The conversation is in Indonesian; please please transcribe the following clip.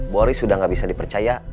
boris sudah gak bisa dipercaya